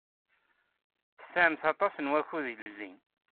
Tesɛamt aṭas n wakud ilelli.